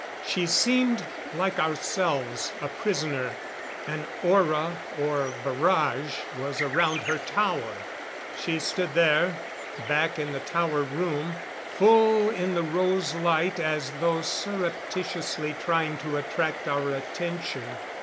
She seemed, like ourselves, a prisoner. An aura or barrage was around her tower. She stood there, back in the tower room, full in the rose light as though surreptitiously trying to attract our attention.